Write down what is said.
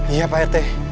iya pak rt